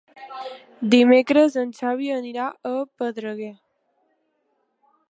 Dimecres en Xavi anirà a Pedreguer.